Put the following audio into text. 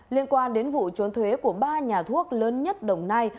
liên quan đến vụ trốn thuế của ba nhà thuốc lớn nhất đồng nai